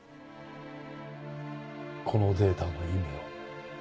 このデータの意味を。